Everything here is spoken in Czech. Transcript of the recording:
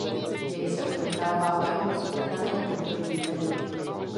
Děj se odehrává v Japonsku v raném období Edo.